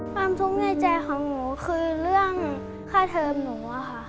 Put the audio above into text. ความทุกข์ในใจของหนูคือเรื่องค่าเทอมหนูอะค่ะ